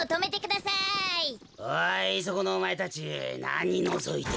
おいそこのおまえたちなにのぞいてる？